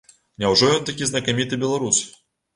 Няўжо ён такі знакаміты беларус?